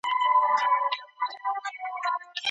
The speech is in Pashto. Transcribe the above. لومړنۍ مرستې څنګه ورکول کیږي؟